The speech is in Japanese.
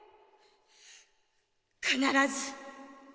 必ず。